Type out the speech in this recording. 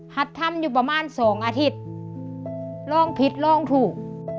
ฮัดทำอยู่ประมาณ๒อาทิตย์ร่องผิดร่องถูก